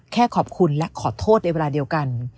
แค่ขอบคุณและขอโทษในเวลาเดียวกัน